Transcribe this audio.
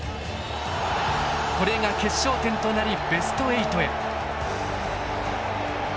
これが決勝点となりベスト８へ。